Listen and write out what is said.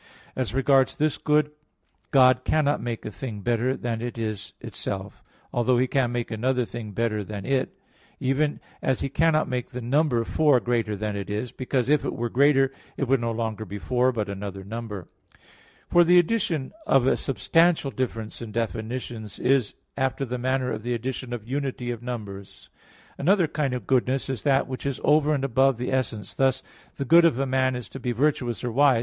As regards this good, God cannot make a thing better than it is itself; although He can make another thing better than it; even as He cannot make the number four greater than it is; because if it were greater it would no longer be four, but another number. For the addition of a substantial difference in definitions is after the manner of the addition of unity of numbers (Metaph. viii, 10). Another kind of goodness is that which is over and above the essence; thus, the good of a man is to be virtuous or wise.